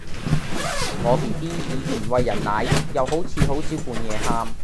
我 bb 以前餵人奶又好似好少半夜喊